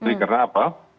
jadi karena apa